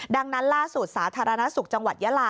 ดังนั้นล่าสุดสาธารณสุขจังหวัดยาลา